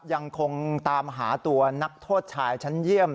ยังคงตามหาตัวนักโทษชายชั้นเยี่ยม